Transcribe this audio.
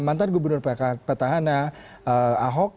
mantan gubernur petahana ahok